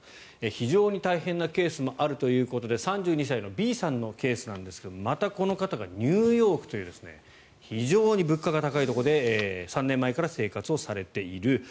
非常に大変なケースもあるということで３２歳のＢさんのケースですがまたこの方がニューヨークという非常に物価が高いところで３年前から生活されている。